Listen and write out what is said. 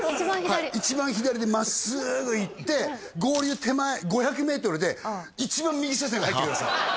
はい一番左で真っすぐ行って合流手前５００メートルで一番右車線へ入ってください